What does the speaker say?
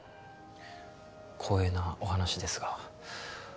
光栄なお話ですが